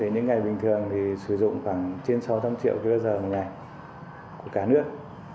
đến ngày bình thường sử dụng khoảng trên sáu trăm linh triệu kwh một ngày của cả nước